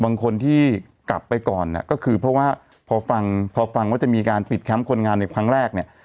บางคนที่กลับไปก่อนก็คือเพราะว่าพอฟังว่าจะมีการปิดครั้งคนงานในครั้งแรกเนี่ย